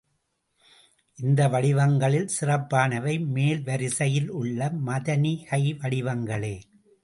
இந்த வடிவங்களில் சிறப்பானவை மேல் வரிசையில் உள்ள மதனிகை வடிவங்களே.